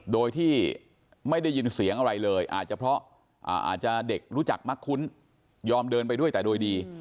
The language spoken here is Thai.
โดยที่ไม่ได้ยินเสียงอะไรเลยอาจจะเพราะอาจจะเด็กรู้จักมักคุ้นยอมเดินไปด้วยแต่โดยดี